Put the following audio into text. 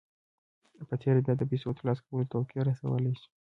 په تېره بیا د پیسو ترلاسه کولو توقع رسولای شئ